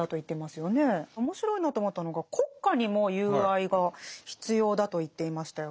面白いなと思ったのが国家にも友愛が必要だと言っていましたよね。